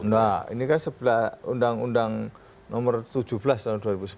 nah ini kan sebelah undang undang nomor tujuh belas tahun dua ribu sebelas